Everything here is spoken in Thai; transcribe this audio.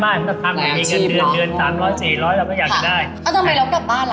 และตอนนั้นครอบครัวนี่คือเป็นครอบครัวใหญ่ไหม